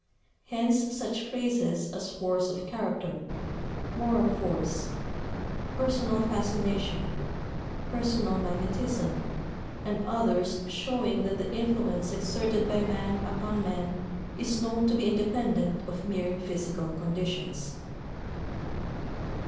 Hence such phrases as "force of character," "moral force," "personal fascination," "personal magnetism," and others showing that the influence exerted by man upon man is known to be independent of mere physical conditions.